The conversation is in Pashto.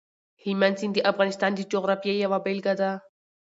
هلمند سیند د افغانستان د جغرافیې یوه بېلګه ده.